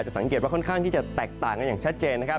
จะสังเกตว่าค่อนข้างที่จะแตกต่างอย่างชัดเจน